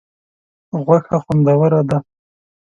غوښه خوندوره ده.